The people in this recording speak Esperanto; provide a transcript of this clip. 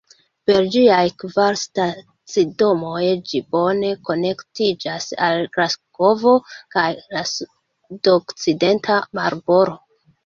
Per ĝiaj kvar stacidomoj ĝi bone konektiĝas al Glasgovo kaj la sudokcidenta marbordo.